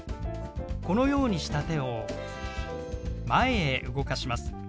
このようにした手を前へ動かします。